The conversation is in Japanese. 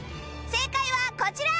正解はこちら！